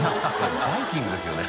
もうバイキングですよね。